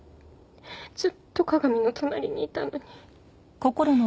ずっと加賀美の隣にいたのに。